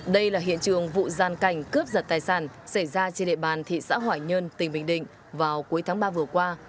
đây là hiện trường vụ gian cảnh cướp giật tài sản xảy ra trên địa bàn thị xã hoài nhơn tỉnh bình định vào cuối tháng ba vừa qua